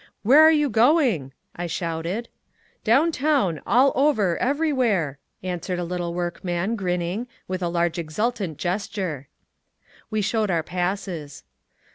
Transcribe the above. "Where are you going?" I shouted. "Down town—all over—everywhere!" answered a little workman, grinning, with a large exultant gesture. We showed our passes.